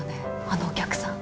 あのお客さん。